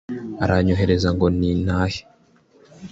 aranyohereza ngo nintahe